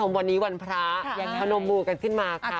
วันนี้วันพระยังพนมมูกันขึ้นมาค่ะ